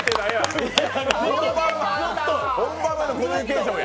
本番前のコミュニケーションや！